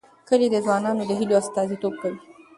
کلي د ځوانانو د هیلو استازیتوب کوي.